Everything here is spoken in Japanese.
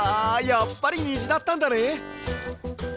やっぱりにじだったんだね！